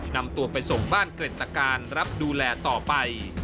นำตัวไปส่งบ้านเกร็ดตการรับดูแลต่อไป